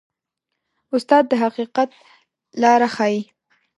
استاد د حقیقت لاره ښيي.